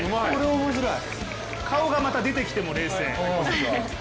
顔がまた出てきても、冷静。